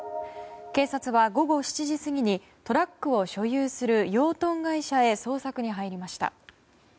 警察は、午後７時過ぎにトラックを所有する養豚会社へ捜索に入りました。